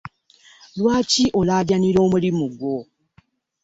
Lwaki olagajanira omulimu gwo?